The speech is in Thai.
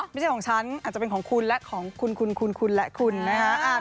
ไม่ใช่ของฉันอาจจะเป็นของคุณและของคุณคุณและคุณนะฮะ